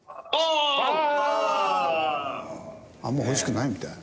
あんまほしくないみたい。